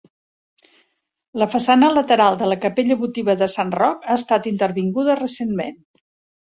La façana lateral de la capella votiva de Sant Roc ha estat intervinguda recentment.